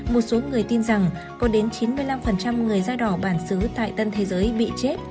một số người tin rằng có đến chín mươi năm người da đỏ bản xứ tại tân thế giới bị chết